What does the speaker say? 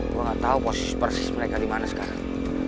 gue gak tau posisi persis mereka dimana sekarang